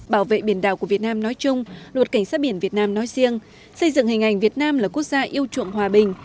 bảo vệ biển đảo của việt nam nói chung luật cảnh sát biển việt nam nói riêng xây dựng hình ảnh việt nam là quốc gia yêu chuộng hòa bình